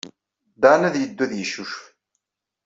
Dan ad yeddu ad yeccucef.